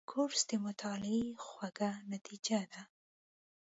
کورس د مطالعې خوږه نتیجه ده.